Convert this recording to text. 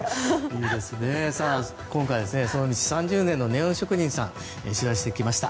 今回は、その道３０年のネオン職人さんを取材してきました。